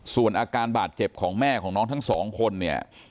ส่วนอาการบาดเจ็บของแม่ของน้องทั้งสองคนเนี่ย